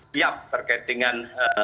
setiap terkait dengan